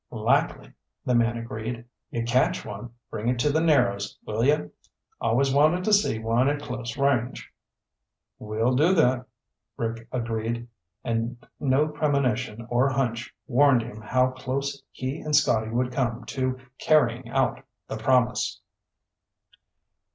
"Likely," the man agreed. "You catch one, bring it to the Narrows, will you? Always wanted to see one at close range." "We'll do that," Rick agreed, and no premonition or hunch warned him how close he and Scotty would come to carrying out the promise.